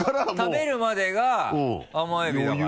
食べるまでが甘エビだから。